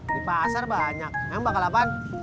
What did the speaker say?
di pasar banyak memang bakal apaan